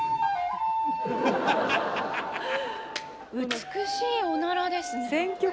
美しいおならですね。